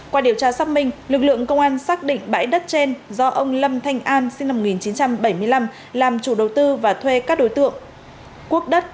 qua điều tra xác minh lực lượng công an xác định bãi đất trên do ông lâm thanh an sinh năm một nghìn chín trăm bảy mươi năm làm chủ đầu tư và thuê các đối tượng quốc đất